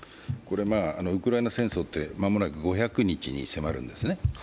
ウクライナ戦争って間もなく５００日に迫るんですね。